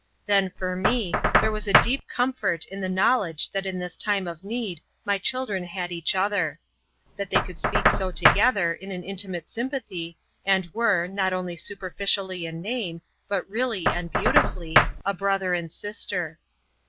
Then, for me, there was a deep comfort in the knowledge that in this time of need my children had each other; that they could speak so together, in an intimate sympathy, and were, not only superficially in name, but really and beautifully, a brother and sister.